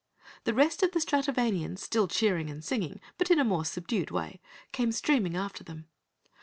The rest of the Stratovanians, still cheering and singing, but in a more subdued way, came streaming after them.